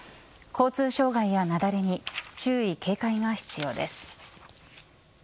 交通障害や雪崩に注意警戒が必要です。